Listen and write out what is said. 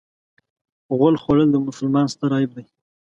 غول خوړل د مسلمان ستر عیب دی.